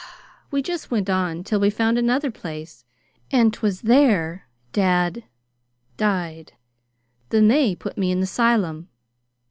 "We just went on till we found another place. And 'twas there dad died. Then they put me in the 'sylum."